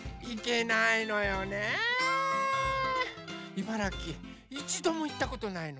茨城いちどもいったことないの。